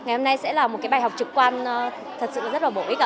ngày hôm nay sẽ là một cái bài học trực quan thật sự rất là bổ ích ạ